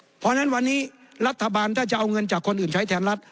เพราะฉะนั้นวันนี้รัฐบาลถ้าจะเอาเงินจากคนอื่นใช้แทนรัฐ